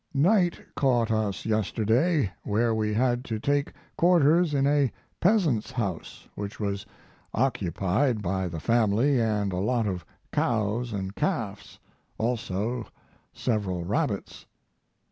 Night caught us yesterday where we had to take quarters in a peasant's house which was occupied by the family and a lot of cows & calves, also several rabbits.